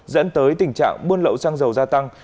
dẫn tới tình trạng buôn lậu xăng dầu gia tăng